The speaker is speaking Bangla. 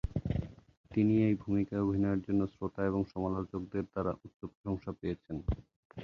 তিনি এই ভূমিকায় অভিনয়ের জন্য শ্রোতা এবং সমালোচকদের দ্বারা উচ্চ প্রশংসা পেয়েছেন।